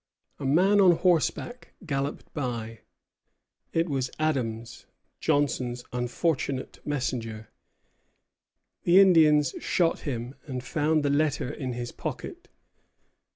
A man on horseback galloped by; it was Adams, Johnson's unfortunate messenger. The Indians shot him, and found the letter in his pocket.